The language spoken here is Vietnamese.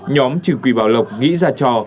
nhóm trừ quỷ bảo lộc nghĩ ra trò